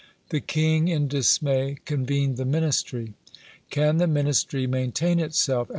The King in dismay convened the Ministry. "Can the Ministry maintain itself?"